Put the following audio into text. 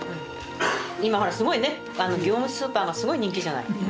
今ほらすごいね業務スーパーがすごい人気じゃない。